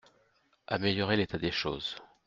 Améliorer l’état des choses.